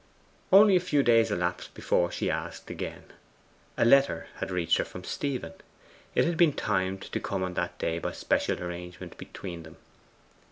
Only a few days elapsed before she asked again. A letter had reached her from Stephen. It had been timed to come on that day by special arrangement between them.